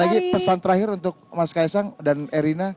dan lagi lagi pesan terakhir untuk mas kaisang dan erina